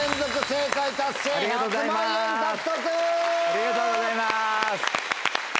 ありがとうございます！